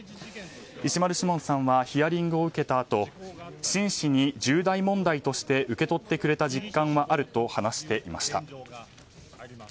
石丸志門さんはヒアリングを受けたあと真摯に重大問題として受け取ってくれた実感はあると話していました。